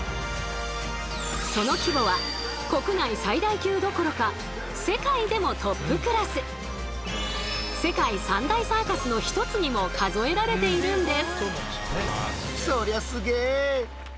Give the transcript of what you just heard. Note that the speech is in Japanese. その規模は国内最大級どころか世界３大サーカスの一つにも数えられているんです。